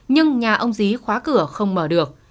nhưng nhà ông dí khóa cửa không mở được